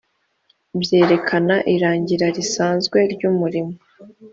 byerekana irangira risanzwe ry’ umurimo